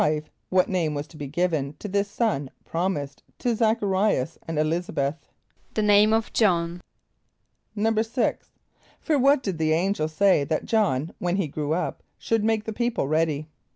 = What name was to be given to this son promised to Z[)a]ch a r[=i]´as and [+E] l[)i][s+]´a b[)e]th? =The name of J[)o]hn.= =6.= For what did the angel say that J[)o]hn, when he grew up, should make the people ready?